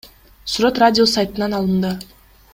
Сүрөт Радиус сайтынан алынды.